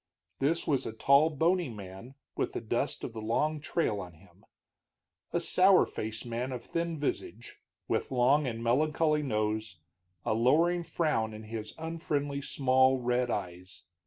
This was a tall, bony man with the dust of the long trail on him; a sour faced man of thin visage, with long and melancholy nose, a lowering frown in his unfriendly, small red eyes.